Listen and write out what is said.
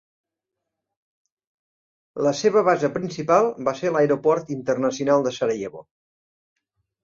La seva base principal va ser l'aeroport internacional de Sarajevo.